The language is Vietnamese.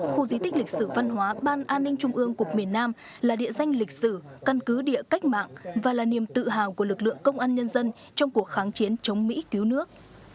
khu di tích lịch sử văn hóa ban an ninh trung ương cục miền nam là địa danh lịch sử căn cứ địa cách mạng và là niềm tự hào của lực lượng công an nhân dân trong cuộc kháng chiến chống mỹ cứu nước